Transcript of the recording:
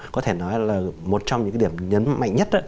có thể nói là một trong những cái điểm nhấn mạnh nhất